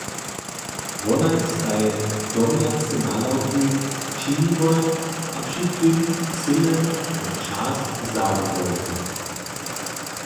Wonaj staj domjace nadawki činiłoj a při tym cyle na čas zabyłoj.